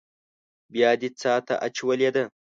بيا دې څاه ته اچولې ده.